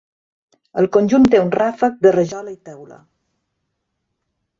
El conjunt té un ràfec de rajola i teula.